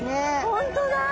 本当だ！